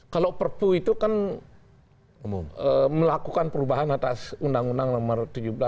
kalau perpu itu kan melakukan perubahan atas undang undang nomor tujuh belas dua ribu tiga belas